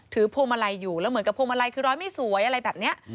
พวงมาลัยอยู่แล้วเหมือนกับพวงมาลัยคือร้อยไม่สวยอะไรแบบนี้